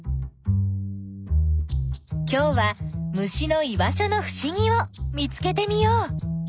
今日は虫の居場所のふしぎを見つけてみよう。